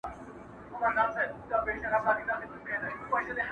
ګرم خو به نه یم چي تیاره ستایمه.